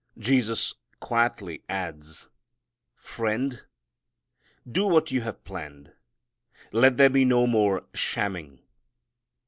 Jesus quietly adds, "Friend, do what you have planned. Let there be no more shamming."